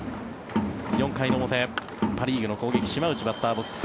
４回の表、パ・リーグの攻撃島内、バッターボックス。